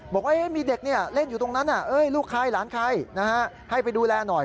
บอกว่ามีเด็กเล่นอยู่ตรงนั้นลูกใครหลานใครให้ไปดูแลหน่อย